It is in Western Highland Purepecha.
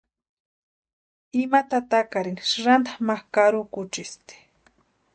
Ima tatakarini sïranta ma karukuchisti.